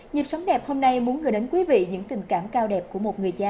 nhịp sống đẹp hôm nay muốn gửi đến quý vị những tình cảm cao đẹp của một người cha